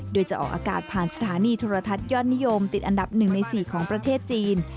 โดยจะออกอากาศผ่านสถานีโทรทัศน์ยอดนิยมติดอันดับ๑ใน๔ของประเทศจีน